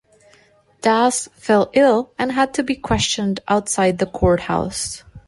Das fell ill and had to be questioned outside the courthouse.